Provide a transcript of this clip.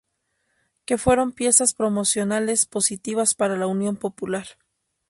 Que fueron piezas promocionales positivas para la Unión Popular.